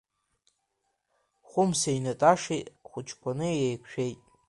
Хәымсеи Наташеи хәыҷқәаны, иеиқәшәеит.